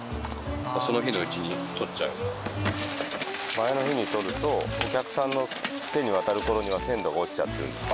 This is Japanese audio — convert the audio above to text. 前の日に採るとお客さんの手に渡る頃には鮮度が落ちちゃってるんですか？